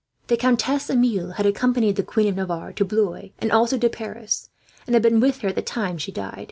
The Countess Amelie had accompanied the Queen of Navarre to Blois, and also to Paris, and had been with her at the time she died.